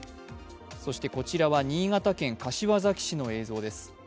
こちらは新潟県柏崎市の映像です。